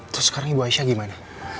terus sekarang ibu aisyah gimana